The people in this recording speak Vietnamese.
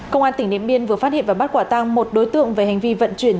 công an tỉnh điện biên vừa phát hiện và bắt quả tăng một đối tượng về hành vi vận chuyển